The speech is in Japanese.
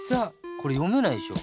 これよめないでしょ。